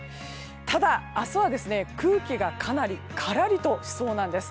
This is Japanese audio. ただ、明日は空気がかなりからりとしそうなんです。